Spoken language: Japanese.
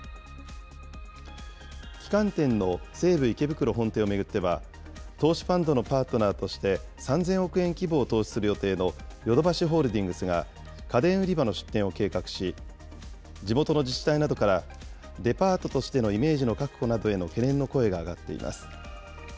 旗艦店の西武池袋本店を巡っては、投資ファンドのパートナーとして３０００億円規模を投資する予定のヨドバシホールディングスが家電売り場の出店を計画し、地元の自治体などから、デパートとしてのイメージの確保などの懸念の声が上がっています。